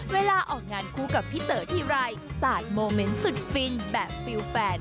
เวลาออกงานคู่กับพี่เต๋อทีไรสาดโมเมนต์สุดฟินแบบฟิลแฟน